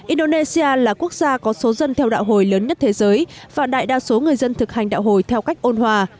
indonesia là quốc gia có số dân theo đạo hồi lớn nhất thế giới và đại đa số người dân thực hành đạo hồi theo cách ôn hòa